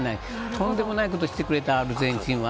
とんでもないことをしてくれたアルゼンチンは。